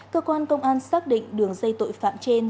cơ quan công an xác định đường dây tội phạm trên